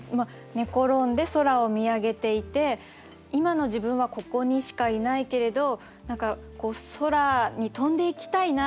寝転んで空を見上げていて今の自分はここにしかいないけれど何か空に飛んでいきたいな